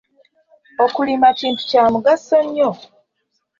Okulima kintu kya mugaso nnyo.